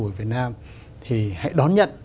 ở việt nam thì hãy đón nhận